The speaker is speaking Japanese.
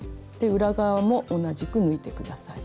裏側も同じく抜いて下さい。